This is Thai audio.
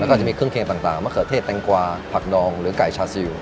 แล้วก็จะมีเครื่องเค็มต่างมะเขือเทศแตงกวาผักดองหรือไก่ชาซิล